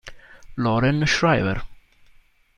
Loren Shriver